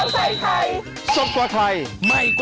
เลยได้ความอ๋อทริก